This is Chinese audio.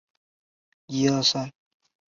明升与李成桂来往甚密。